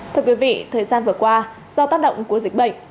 thưa quý vị thời gian vừa qua do tác động của dịch bệnh